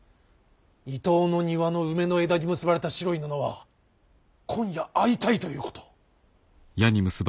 伊東の庭の梅の枝に結ばれた白い布は今夜会いたいということ。